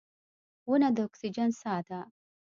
• ونه د اکسیجن ساه ده.